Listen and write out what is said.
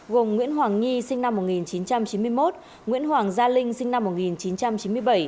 gồm nguyễn hoàng nhi sinh năm một nghìn chín trăm chín mươi một nguyễn hoàng gia linh sinh năm một nghìn chín trăm chín mươi bảy